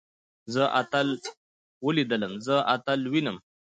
زه اتل وليدلم. زه اتل وينم.